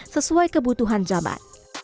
sesuai kebutuhan zaman